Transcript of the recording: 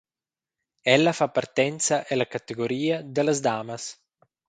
Ella fa partenza ella categoria dallas damas.